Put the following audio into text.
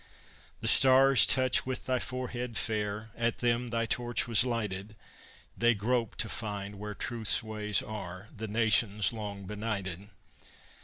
The stars touch with thy forehead fair; At them thy torch was lighted. They grope to find where truth's ways are, The nations long benighted.